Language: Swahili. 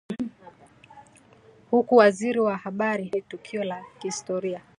huku Waziri wa Habari Nape Nnauye akisema ni tukio la kihistoria